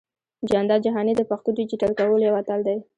جانداد جهاني د پښتو ډىجيټل کولو يو اتل دى.